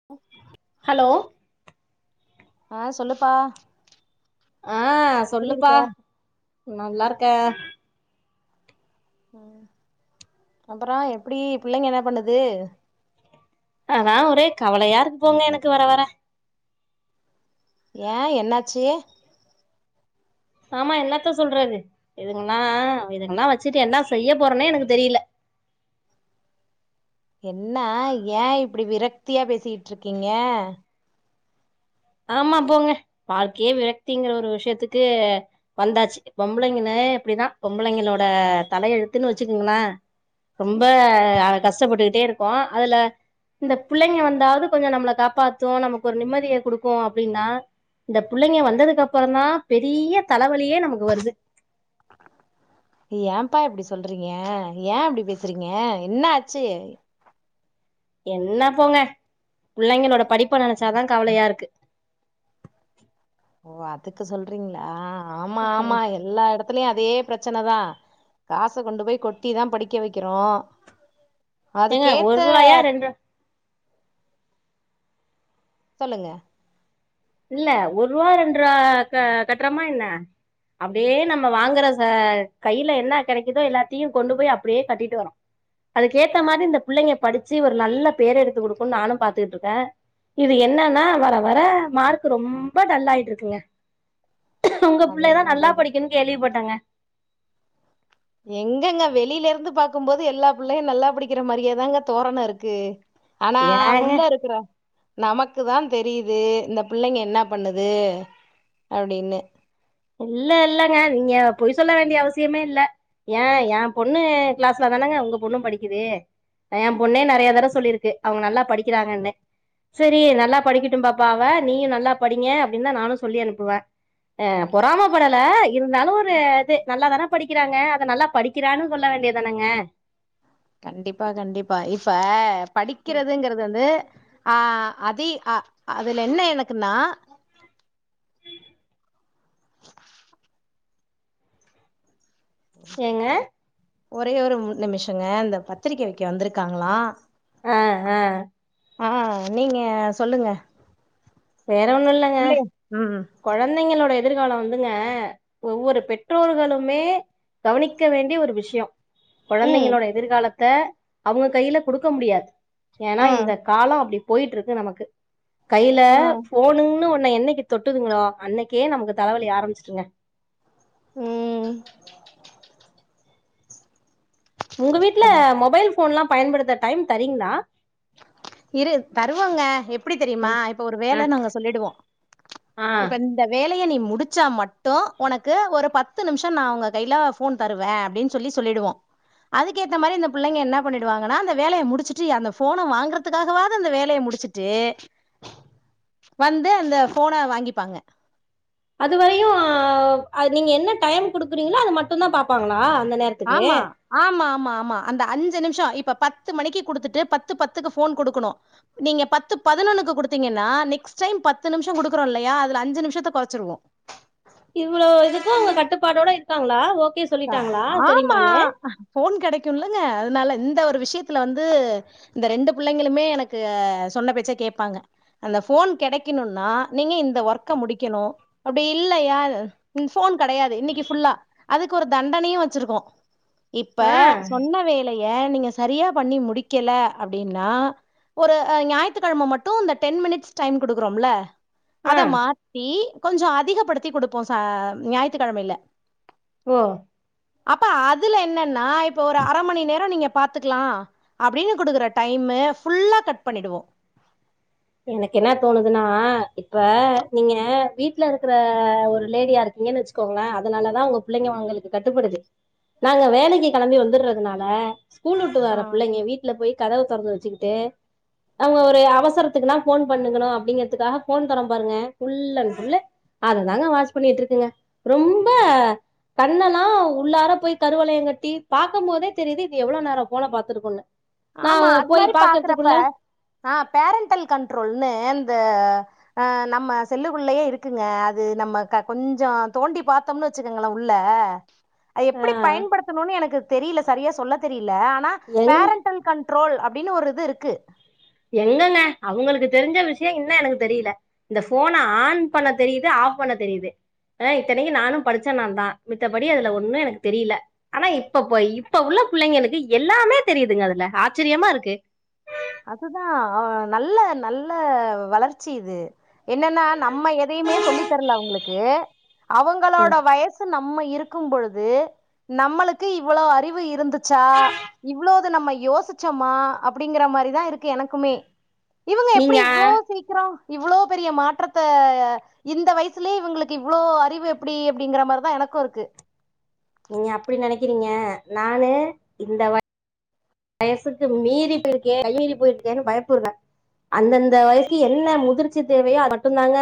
ஓ [inaudible] hello ஆ சொல்லுப்பா ஆ எப்டி இருக்க சொல்லுப்பா நல்லார்க்கே ம் அப்பறோ எப்டி புள்ளைங்க என்ன பண்ணுது ஆனா ஒரே கவலையா இருக்கு போங்க எனக்கு வர வர ஏ என்னாச்சி ஆமா என்னத்தா சொல்றது இதுங்கல்லா இதுங்கல்லா வச்சிட்டு என்ன செய்ய போறோனே எனக்கு தெரியல என்னா ஏ இப்டி விரக்தியா பேசிட்டு இருக்கீங்க ஆமா போங்க வாழ்க்கையே விரக்திங்கிற ஒரு விஷயத்துக்கு வந்தாச்சு பொம்பளைங்கன்னு எப்டிதா பொம்பளைங்களோட தல எழுத்துன்னு வச்சுங்குங்ளே ரொம்ப கஷ்டப்பட்டுக்ட்டே இருக்கோ அதுல இந்த புள்ளைங்க வந்தாவது கொஞ்சோ நம்ள காப்பாத்து நமக் ஒரு நிம்மதியே குடுக் கு அப்டினா இந்த புள்ளைங்க வந்ததுக் அப்புறந்தா பெரிய தலைவலியே நமக்கு வருது ஏன்ப்பா இப்டி சொல்றீங்கே ஏ இப்டி பேசுறீங்கே என்ன ஆச்சி என்ன போங்கே புள்ளைங்களோட படிப்ப நெனச்சாதா கவலையாருக்கு ஓ அதுக்கு சொல்றீங்களா ஆமா ஆமா எல்லா இடத் துலேயு அதே ப்ரச்சனதா காச கொண்டு போய் கொட்டி தா படிக்க வெக்கிறோ ஏங்க ஒரு அதுக்கேத்த ரூவாயா ரெண்டு சொல்லுங்க இல்ல ஒர்வா ரெண்ருவா கட்றமா என்ன அப்டியே நம்ம வாங்குற ச கையில என்ன கெடைக்குதோ எல்லாத்தையு கொண்டு போய் அப்டியே கட்டிட்டு வரோ அதுக்கேத்த மாரி இந்த புள்ளைங்க படிச்சு ஒரு நல்ல பேர் எடுத்து கொடுக்குனு நானு பாத்துட்டுடிருக்கே இது என்னன்னா வர வர மார் க் ரொம்ப டல்லாயிட்டிருக்குங்க உங்க பிள்ளதா அதேதா நல்லா அதேதா படிக்கன்னு கேள்விப்பட்டங்க எங்கங்க வெளில இருந்து பாக்கும்போது எல்லா பிள்ளையு நல்லா படிக்கிற மாரியேதாங்க தோரணருக்கு ஆனா ஏங்க உள்ள இருக்ற நமக்கு தா தெரியுது இந்த புள்ளைங்க என்ன பண்ணுது அப்டின்னு இல்ல இல்லங்க நீங்க பொய் சொல்ல வேண்டிய அவசியமே இல்ல ஏ ஏ பொண்ணு கிளாஸ்ல தானாங்க உங்க பொண்ணு படிக்குது ஏ பொண்ணே நெறைய தட சொல்லிருக்கு அவங்க நல்லா படிக்கிறாங்கனு சரி நல்லா படிக்கட்டு பாப்பா அவ நீயும் நல்லா படிங்க அப்டின்னு தா நானு சொல்லி அனுப்புவே ஆ பொறம படல இருந்தாலு ஒரு இது நல்லாதானே படிக்கிறாங்க அத நல்லா படிக்கிறான்னு சொல்ல வேண்டியதானங்க கண்டிப்பா கண்டிப்பா இப்ப படிக்கிறதுங்கறது வந்து ஆ அதி அ அதுல என்ன எனக்குனா ஏங்க பத்திரிக்கை ஒரே ஒரு ஒர் நிமிஷங்க இந்த பத்திரிக்க வைக்க வந்திருக்காங்களா ஆ ஆ ஆ நீங்க சொல்லுங்க வேற ஒண்ணு இல்லங்க பிள்ளைய ம் கொழந்தைங்களோட எதிர்காலோ வந்துங்க ஒவ்வொரு பெற்றோர்களுமே கவனிக்க வேண்டிய ஒரு விஷ்யோ ம் கொழந்தைங்களோட எதிர்காலத்த அவங்க கைல குடுக்க முடியாது ஏனா ஆ இந்த காலோ அப்டி போய்ட்டு இருக்கு நமக்கு கைய்ல ஆ போணுன்னு ஒன்ன என்னைக்கு தொட்டுதுங்களோ அன்னைக்கே நமக்கு தலைவலி ஆரம்பிச்சுங்க ம் உங்க வீட்ல மொபைல் ஃபோன்ல்லா பயன்படுத்த டைம் தரீங்களா இரு தருவாங்க எப்படி தெரியுமா ம் இப்ப ஒரு ஆ வேலைன்னு நாங்க சொல்லிடுவோம் ஆ இந்த வேலைய நீ முடிச்சா மட்டு உனக்கு ஒரு பத்து நிமிஷம் நா உங்க கையில ஃபோன் தருவ அப்பிடின் சொல்லி சொல்லிடுவோ அதுக்கேத்த மாரி இந்த பிள்ளைங்க என்ன பண்ணிடுவாங்கன்னா அந்த வேலைய முடிச்சிட்டு அந்த ஃபோன வாங்கறதுக்காகவாது இந்த வேலைய முடிச்சிட்டு வந்து அந்த ஃபோன வாங்கிப்பாங்க அதுவரையும் நீங்க என்ன டைம் குடுக்குறீங்களோ அது மட்டும்தா பாப்பாங்களா அந்த நேரத் ஆமா ஆமா ஆமா ஆமா அந்த அஞ்சு நிமிஷ இப்ப பத்து மணிக்கு குடுத்துட்டு பத்து பத்துக்கு ஃபோன் குடுக்கணும் நீங்க பத்து பதினொன்னு குடுத்தீங்கன்னா நெக்ஸ்ட் டைம் பத்து நிமிஷம் குடுக்குறோம் இல்லையா அதுல அஞ்சு நிமிஷத்த குறைச்சிருவோம் இவ்வளோ இதுக்கும் அவுங்க கட்டுப்பாடோட இருக்காங்களா ஓகே சொல்லிட்டாங்களா ஆமா சரிமான்னு ஃபோன் கிடைக்கும்லங்க அதனால இந்த ஒரு விஷயத்துல வந்து இந்த ரெண்டு பிள்ளைங்களுமே எனக்கு சொன்ன பேச்ச கேப்பாங்க அந்த ஃபோன் கெடைக்கணும்ன்னா நீங்க இந்த ஒர்க்க முடிக்கணு அப்படி இல்லையா ஃபோன் கெடையாது இன்னைக்கு ஃபுல்லா அதுக்கு ஒரு தண்டனையும் வச்சிருக்கோ இப்ப ஆ சொன்ன வேலை ய நீங்க சரியா பண்ணி முடிக்கல அப்டின்னா ஒரு அ ஞாயிறுக்கிழம மட்டும் இந்த டென் மினிட்ஸ் டைம் குடுக்குறோம்ல ஆ அத மாத்தி கொஞ்சோ அதிகப்படுத்தி குடுப்போம் ச ஞாயிற்றுக்கிழமையில ஓ இப்ப அதுல என்னன்னா இப்ப ஒரு அரை மணி நேரம் நீங்க பாத்துக்கலாம் அப்படின்னு குடுக்குற டைமு ஃபுல்லா கட் பண்ணிடுவோம் எனக்கு என்ன தோணுதுன்னா இப்ப நீங்க வீட் வீட்ல இருக்கிற ஒரு லேடியா இருக்கீங்கன்னு வச்சுக்கோங்கள அதனாலதா உங்க பிள்ளைங்க உங்களுக்கு கட்டுப்படுது நாங்க வேலைக்கு கெளம்பி வந்துட்றதுனால ஸ்கூல் வுட்டு ஆ வர பிள்ளைங்க வீட்ல போய் கதவ திறந்து வச்சுக்கிட்டு அவுங்க ஒரு அவசர த்துக்குனா ஃபோன் பண்ணுங்கனு அப்பிடிங்கிறதுக்காக ஃபோன் தரோம் பாருங்க ஃபுல்லன் ஃபுல்லு அதுதாங்க வாட்ச் பண்ணிட்டு இருக்குங்க ரொம்ப கண்ணெல்லா உள்ளார போய் கருவளையம் கட்டி பாக்கம் போதே தெரியுது இது எவ்ளோ நேரம் ஃபோன பாத்துருக்குன்னு நா ஆமா அது போய் மாரி பாக்குறப்ப பாக்குறதுக்குள்ள ஆ பேரண்டல் கண்ட்ரோல்னு இந்த ஆ நம்ம செல்லுக்குள்ளயே இருக்குங்க அது நம்ம கொஞ்சோ தோண்டி பாத்து பாத்தோம்னு வச்சுக்கோங்கள உள்ள அது ஆ எப்பிடி பயன்படுத்தணுன்னு எனக்கு தெரியல சரியா சொல்ல தெரியல ஆனா எங் பேரண்ட் டல் கண்ட்ரோல் அப்டின்னு ஒரு இது இருக்கு என்னங்க அவுங்களுக்கு தெரிஞ்ச விஷயம் இன்னு எனக்கு தெரியல இந்த ஃபோன ஆன் பண்ண தெரியுது ஆஃப் பண்ண தெரியுது ஆ இத்தனைக்கு நானு படிச்ச நா தா மித்தபடி அதுல ஒண்ணு எனக்கு தெரியல ஆனா இப்ப போய் இப்ப உள்ள பிள்ளைங்களுக்கு எல்லாமே தெரியுதுங்க அதுல ஆச்சரியமா இருக்கு அதுதா நல்ல நல்ல வளர்ச்சி இது என்னன்னா நம்ம எதையுமே சொல்லி தரல அவுங்களுக்கு அவுங்களோட ம். வயசு க்கு நம்ம இருக்கும் பொழுது நம்மளுக்கு இவ்ளோ அறிவு இருந்துச்சா இவ்ளோது நம்ம யோசிச்சோமா அப்பிடிங்குற மாரி தா இருக்கு எனக்குமே இவுங்க எப்புடி நீங்க இவ்ளோ சீக்ரோ இவ்ளோ பெரிய மாற்றத்த இந்த வய்சுசலே இவுங்ளுக்கு இவ்ளோ அறிவு எப்டி அப்பிடிங்குற மாரிதா எனக்கு இருக்கு நீங்க அப்டி நெனக்கிறீங்க நானு இந்த வ வயசுக்கு மீறி பியிருக்கே மீறி கை மீறி போயிருக்கே பயப்புற்ற அந்தந்த வயசி என்ன முதிர்ச்சி தேவயோ அது மட்டு தாங்க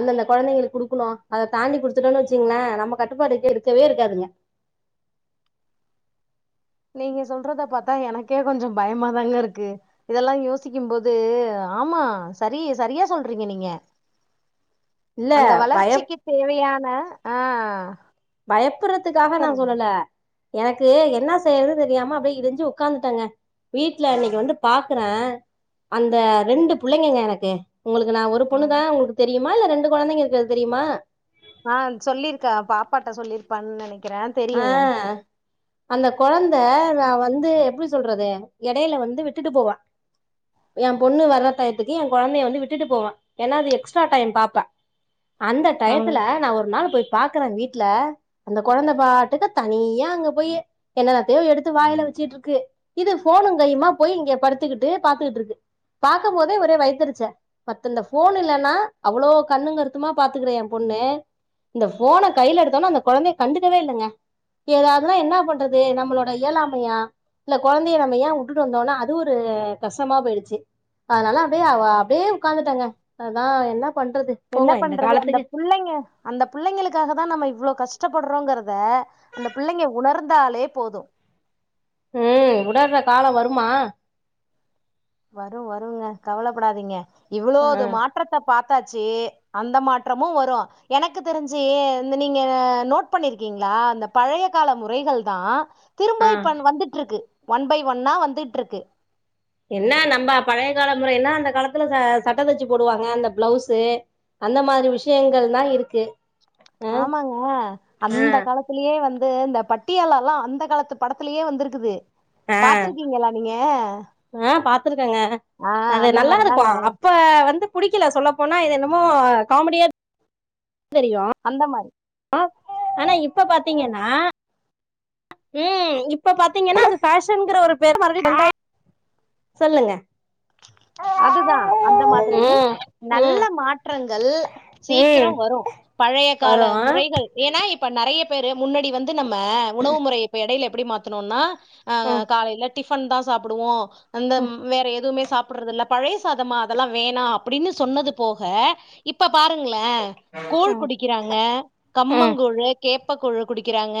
அந்தந்த கொழந்தைங்ளுக்கு குடுக்குணு அத தாண்டி குடுத்துட்டோன்னு வச்சிங்ள நம்ம கட்டுப்பாட்டு கீழ் இருக்கவே இருக்காதுங்க நீங்க சொல்றத பாத்தா எனக்கே கொஞ்சோ பயமா தாங்க இருக்கு இதல்லா யோசிக்கும்போது ஆமா சரி சரியா சொல்றீங்க நீங்க இல்ல அந்த பய வளர்ச்சிக்கு தேவயான ஆ பயப்புற்றதுக்காக நா சொல்லல எனக்கு என்னா செய்யற்து தெரியாம அப்டே இடிஞ்சு உக்காந்துட்டாங்க வீட்டல இன்னிக்கு வந்து பாக்குற அந்த ரெண்டு புள்ளைங்கங்க எனக்கு உங்களுக்கு நா ஒரு சொல்லுங்க பொண்ணுதா உங்ளுக்கு தெரியுமா இல்ல ரெண்டு கொழந்தைங்க இருக்குறது தெரியுமா ஆ சொல்லிருக்க பாப்பாட்ட சொல்லிருப்பா நனக் அ அந்த கொழந்த நா வந்து எப்புடி சொல்றது எடைல வந்து விட்டுட்டு போவ ஏ பொண்ணு வர்ற டத்துக்கு ஏ கொழந்தய வந்து விட்டுட்டு போவ ஏன்னா அது எக்ஸ்ட்ரா டைம் பாப்ப அந்த ம் டயத்துல நா ஒரு நாள் போய் பாக்குற வீட்ல அந்த கொழந்த பாட்டுக்கு தனியா அங்க போயி என்னானத்தயோ எடுத்து வாயில வச்சீட்ருக்கு இது ஃபோனு கையுமா போய் இங்க படுத்துகுட்டு பாத்துக்குட்ருக்கு பாக்கமோதே ஒரே வைத்தெருச்ச பத் இந்த ஃபோன் இல்லனா அவ்ளோ கண்ணு கருத்துமா பாத்துக்குற ஏ பொண்ணே இந்த ஃபோன கைல எடுத்தோனா அந்த கொழந்தைய கண்டுக்கவே இல்லங்க ஏதாதுனா என்னா பண்றது நம்மளோட இயலாமையா இல்ல குழந்தைய நம்ம ஏ உட்டுட்டு வந்தோனா அது ஒரு கசமா போய்டுச்சி அதனால அப்டே அவ அப்டே உக்காந்துட்டாங்க அதா என்னா பண்றது என்ன போங்க இந்த பண்றது காலத்துக்கு அந்த புள்ளைங்க அந்த புள்ளைங்களுக்காகதா நம்ம இவ்ளோ கஷ்டப்பட்றோங்குறத அந்த பிள்ளைங்க உணர்ந்தாலே போது ம் உடற்ற கால வருமா வரு வருங்க கவலப்படாதீங்க ஆ இவ்ளோது மாட் ட்றத்த பாத்தாச்சு அந்த மாட்றமு வரு எனக்கு தெரிஞ்சு இந்த நீங்க நோட் பண்ணிருக்கீங்ளா அந்த பழைய கால முறைகள் தா ஆ திரும்ப்ப இப்ப வந்துட்ருக்கு ஒன் பை ஒன்னா வந்துட்ருக்கு என்னா நம்ப பழைய கால முறைன்னா அந்த காலத்துல ச சட்ட தச்சு போடுவாங்க அந்த பிளவுஸு அந்த மாரி விஷயங்கள்தா இருக்கு ஆ ஆமாங்க ஆ அந்த காலத் துலியே வந்து இந்த பட்டியாலலா அந்த காலத்து படத்துலியே வந்துருக்குது ஆ பாத்துருக்கீங்களா நீங்க ஆ பாத்துருக்கேங்க ஆ அந்த மாரிதாங்க இப்ப வந்து புடிக்கில சொல்லப்போனா இது என்னமோ காமடியாத் தெரியு அந்த மாரி அ ஆனா இப்ப பாத்தீங்கன்னா ம் இப்ப பாத்தீங்கன்னா அது பேஷன்ங்குற ஒரு பேரு [unintelligible] சொல்லுங்க அதுதா அந்த மாதுரி ம் நல்ல ம் மாட்றங்கள் ம் சீக்கிரோம் வரும் பழைய கால வரு முறைகள் ஏன்னா இப்ப நெறைய பேரு முன்னாடி வந் நம்ம உணவு முறை எடையில எப்டி மாத்தணும்னா ம் காலையில டிஃபன் தான் சாப்டுவோம் அந்த வேற எதுவுமே சாப்றது இல்ல பழைய சாதமா அதெல்லாம் வேணா அப்டின்னு சொன்னது போக இப்ப பாருங்களேன் கூழ் குடிக்கிறாங்க ம் கம்மங்கூழு கேப்ப கூழ் குடிக்கிறாங்க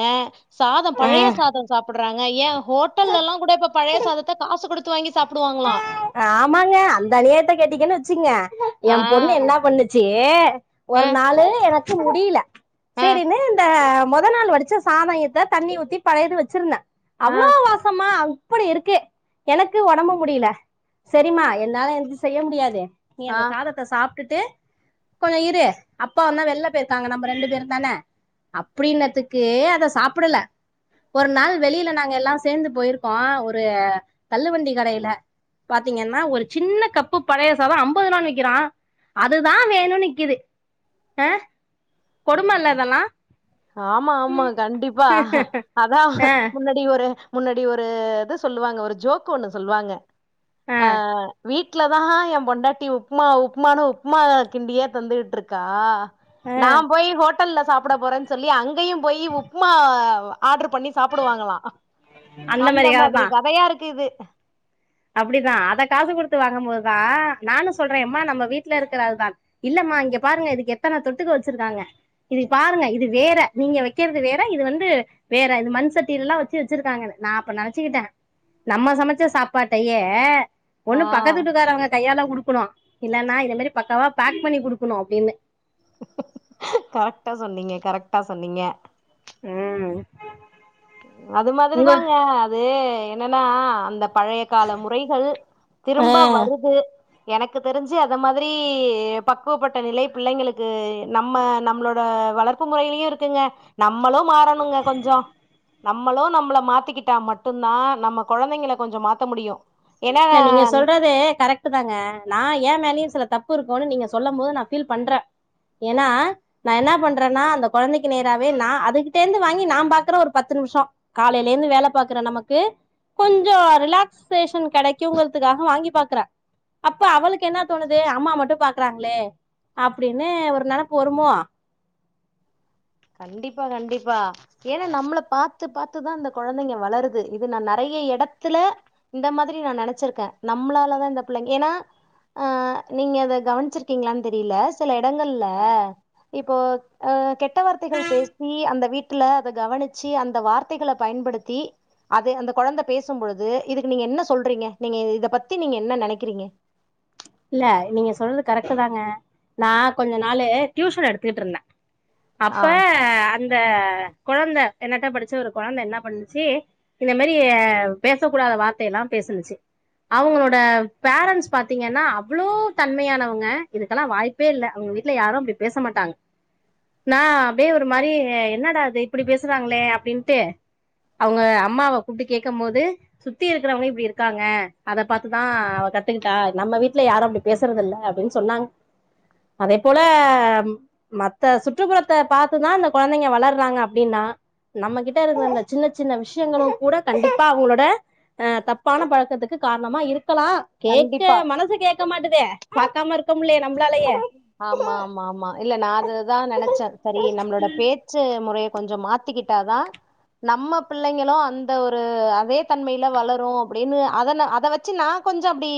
சாதம் பழைய ம் சாதம் சாப்றாங்க ஏன் ஹோட்டல்ல எல்லாம் கூட இப்ப பழைய சாதத்தை காசு குடுத்து வாங்கி சாப்டுவாங்களாம் ஆமாங்க அந்த அநியாயத்த கேட்டிங்கன்னு வச்சுங்க ஆ என் பொண்ணு என்ன பண்ணுச்சு ஆ ஒரு நாள் எனக்கு முடியல ஆ சேரியினு இந்த மொத நாள் வடிச்ச சாதத்த தண்ணி ஊத்தி பழையது வச்சுருந்தேன் ஆ அவ்ளோ வாசமா அப்டி இருக்கு எனக்கு உடம்பு முடியல செரிமா என்னால எந்திச்சு செய்ய முடியாது நீ ஆ அந்த சாதத்த சாப்ட்டுட்டு கொஞ்சோ இரு அப்பா வந்தா வெளில போயிருக்காங்க நம்ம ரெண்டு பேரும்தான அப்டினுத்துக்கு அத சாப்டல ஒரு நாள் வெளியில நாங்கெல்லா சேந்து போயிருக்கோ ஒரு தள்ளுவண்டி கடையில பாத்தீங்கன்னா ஒரு சின்ன கப்பு பழைய சாதம் அம்பதுருவான் விக்கிறா அதுதா வேணு நிக்கிது கொடுமல்ல இதெல்லா ஆமா ஆமா கண்டிப்பா அதா ஆ முன்ன ஒரு முன்னாடி ஒரு இது சொல்லுவாங்க ஒரு ஜோக்கு ஒண்ணு சொல்லுவாங்க ஆ அ வீட்டு வீட்ல தான் என் பொண்டாட்டி உப்புமா உப்புமானான்னு உப்மா கிண்டியே தந்துட்டு இருக்கா ஆ நா போய் ஹோட்டல்ல சாப்ட போறேன்னு சொல்லி அங்கேயும் போய் உப்மா ஆர்டர் பண்ணி சாப்டுவாங்களா அந்த மாதிரி கதையா இருக்கு இது அப்டிதான் அத காசு குடுத்து வாங்கும் போதுதான் நானும் சொல்றேன் மா நம்ம வீட்ல இருக்கற அதுதா இல்லம்மா இங்க பாருங்க இதுக்கு எத்தன தொட்டுக்க வச்சுருக்காங்க இதுக்கு பாருங்க இது வேற நீங்க வக்கிறது வேற இது வந்து வேற இது மண் சட்டியில எல்லாம் வச்சு வச்சுருக்காங்க நான் நெனச்சக்கிட்டேன் நம்ம சமைச்ச சாப் பாட்டையே ஆ ஒண்ணு பக்கத்துவீட்டுக்காரவங்க கையால குடுக்கணும் இல்லன்னா இத மாரி பக்கவா பேக் பண்ணி கூடுக்கணும் அப்டின்னு கரெக்டா சொன்னீங்க கரெக்டா சொன்னீங்க உம் அது மாதிரிதாங்க அது என்னன்னா அந்த பழைய கால முறைகள் ஆ திரும்ப வருது எனக்கு தெரிஞ்சு அந்த மாதிரி பக்குவப்பட்ட நிலை பிள்ளைங்களுக்கு நம்ம நம்மளோட வளர்ப் க்கு மொறையிலயு இருக்குங்க நம்மளும் மாறணுங்க கொஞ்சோ நம்மளு நம்மள மாத்திக்கிட்டா மட்டுந்தா நம்ம கொழந்தைங்கள கொஞ்சம் மாத்த முடியும் இல்ல நீங்க சொல்றது கரெக்ட் தாங்க நா ஏன் மேலயு சில தப்புருக்குனு நீங்க சொல்லம் போது நா ஃபீல் பண்றே ஏன்னா நா என்னா பண்றன்னா அந்த கொழந்தைக்கி நேராவே நா அதுகிட்டேந்து வாங்கி நா பாக்குறே ஒரு பத்து நிமிஷோ காலயிலேந்து வேல பாக்குறே நமக்கு கொஞ்சோ ரிலாக்சேஷன் கெடைக் க்குங்குறத்துக்காக வாங்கி பாக்குறே அப்ப அவளுக்கு என்னா தோணுது அம்மா மட்டும் பாக்குறாங்களே அப்டின்னு ஒரு நெனப்பு வருமோ கண்டிப்பா கண்டிப்பா ஏன்னா நம்மள பாத்து பாத்துதா இந்த கொழந்தைங்க வளருது இத நா நெறைய எடத்துல இந்த மாதிரி நா நெனச்சிருக்கேன் நம்ளாலதான் இந்த பிள்ளைங்க ஏனா அ நீங்க அத கவனிச்சிருக்கீங்களான் தெரில சில இடங்கள்ல இப்போ அ கெட்ட வார்த்தைகள் பேசி அந்த வீ டால அத கவனிச்சு அந்த வார்த்தைகள பயன்படுத்தி அது அந்த கொழந்த பேசும் பொழுது இதுக்கு நீங்க என்ன சொல்றீங்க நீங்க இத பத்தி நீங்க என்ன நெனக்கிறீங்க இல்ல நீங்க சொல்றது கரெக்ட்டு தாங்க நா கொஞ்ச நாளு ட்யூஷன் எடுத்துகிட்ருந்த ஆ அப்ப அந்த கொழந்த என்னட்ட படிச்ச ஒரு கொழந்த என்ன பண்ணுச்சு இந்த மாரி பேசக்கூடாத வார்த்தையெல்லா பேசுனுச்சு அவுங்களோட பேரண்ட்ஸ் பாத்தீங்கன்னா அவ்ளோ தன்மையானவுங்க இதுக்கெல்லா வாய்ப்பே இல்ல அவுங்க வீட்ல யாரு அப்டி பேச மாட்டாங் நா அப்டியே ஒரு மாரி என்னடாது இப்டி பேசுறாங்களே அப்டின்ட்டு அவுங்க அம்மாவ கூப்ட்டு கேக்கம் மோது சுத்தி இருக்றவுங்க இப்டி இருக்காங்க அத பாத்துதா அவ கத்துக்கிட்டா நம்ம வீ ட்ல யாரு அப்டி பேசறதில்ல அப்டின் சொன்னாங் அதே போல மத்த சுற்றுப்புறத்த பாத்துதா அந்த கொழந்தைங்க வளர்றாங்க அப்டின்னா நம்மகிட்ட இருக்குற அந்த சின்னச் சின்ன விஷயங்களுங்கூட கண்டிப்பா அவுங்களோட அ தப்பான பழக்கத்துக்கு காரணமா இருக்கலா கேக்க கண்டிப்பா மனசுக் கேக்க மாட்டுதே பாக்காம இருக்க முல்லயே நம்ப்ளாலயே ஆமா ஆமா ஆமா இல்ல நா அதுதா நெனச்ச சரி நம்ளோட பே ச்ச மொறைய கொஞ்சோ மாத்திக்கிட்டாதா நம்ம பிள்ளைங்களு அந்த ஒரு அதே தன்மையில வளரு அப்டினு அதன அத வச் சு நா கொஞ்சோ அப்டி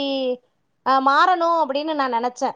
அ மாறணு அப்படின்னு நா நனச்ச